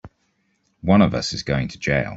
One of us is going to jail!